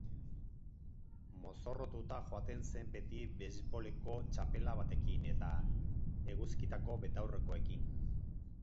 Mozorrotuta joaten zen beti beisboleko txapela batekin eta eguzkitako betaurrekoekin.